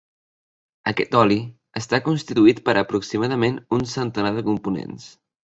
Aquest oli està constituït per aproximadament un centenar de components.